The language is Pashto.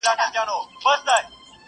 څه پیسې لرې څه زر څه مرغلري!!